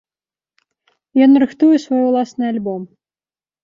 Ён рыхтуе свой уласны альбом.